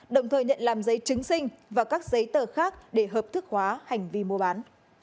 đồng thời nhận làm giấy chứng sinh và các giấy tờ khác để hợp thức hóa hành vi mua bán